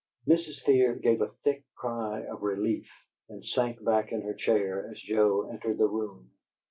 Mrs. Fear gave a thick cry of relief and sank back in her chair as Joe entered the room.